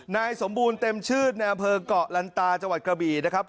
นายสมบูรณ์เต็มชื่นในอำเภอกเกาะลันตาจังหวัดกระบี่นะครับ